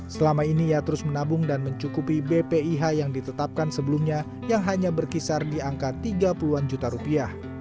selama ini ia terus menabung dan mencukupi bpih yang ditetapkan sebelumnya yang hanya berkisar di angka tiga puluh an juta rupiah